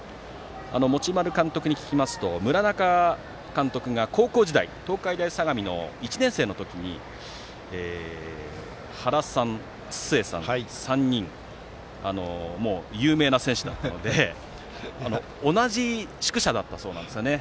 持丸監督に聞きますと村中監督が高校時代東海大相模の１年生の時に原さん、津末さんの３人は有名な選手だったので同じ宿舎だったそうですね。